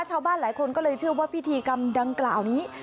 ชาวบ้านหลายคนก็เลยเชื่อว่าพิธีกรรมดังกล่าวนี้